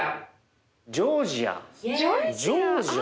ジョージア！